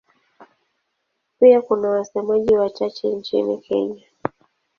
Pia kuna wasemaji wachache nchini Kenya.